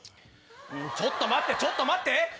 ちょっと待ってちょっと待って！